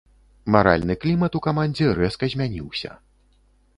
Маральны клімат у камандзе рэзка змяніўся.